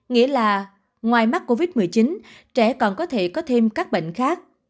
nghĩa là ngoài mắc covid một mươi chín trẻ còn có thể có thêm các bệnh khác